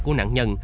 của nạn nhân